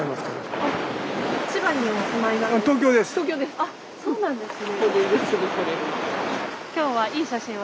あっそうなんですね。